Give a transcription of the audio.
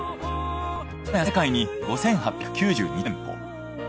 今や世界に５，８９２店舗。